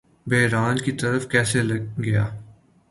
بحران کی طرف کیسے گیا